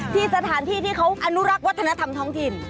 ที่สถานที่ที่เขาอนุรักษ์วัฒนธรรมท้องถิ่น